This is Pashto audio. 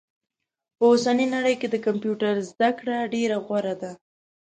په اوسني نړئ کي د کمپيوټر زده کړه ډيره غوره ده